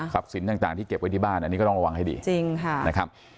สินต่างที่เก็บไว้ที่บ้านอันนี้ก็ต้องระวังให้ดีจริงค่ะนะครับ